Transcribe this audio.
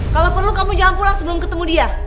kalau perlu kamu jangan pulang sebelum ketemu dia